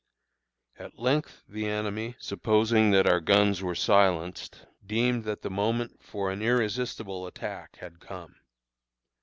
At length the enemy, supposing that our guns were silenced, deemed that the moment for an irresistible attack had come.